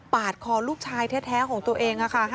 ปาดคอลูกชายแท้ของตัวเองค่ะ